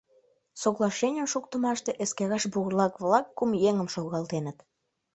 Соглашенийым шуктымаште эскераш бурлак-влак кум еҥым шогалтеныт.